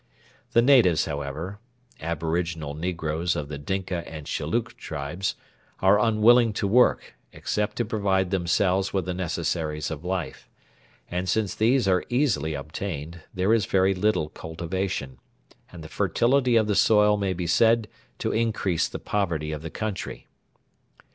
The natives, however aboriginal negroes of the Dinka and Shillook tribes are unwilling to work, except to provide themselves with the necessaries of life; and since these are easily obtained, there is very little cultivation, and the fertility of the soil may be said to increase the poverty of the country.